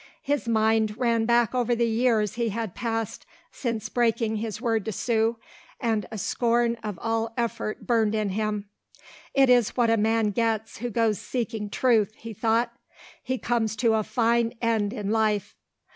His mind ran back over the years he had passed since breaking his word to Sue, and a scorn of all effort burned in him. "It is what a man gets who goes seeking Truth," he thought. "He comes to a fine end in life."